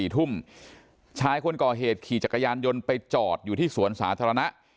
๔ทุ่มชายคนก่อเหตุขี่จักรยานยนต์ไปจอดอยู่ที่สวนสาธารณะ